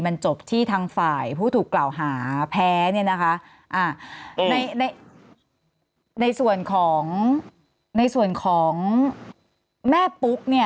มันจบที่ทางฝ่ายผู้ถูกกล่าวหาแพ้ในส่วนของแม่ปุ๊บ